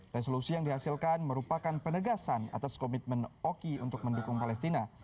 resolusi yang dihasilkan merupakan penegasan atas komitmen oki untuk mendukung palestina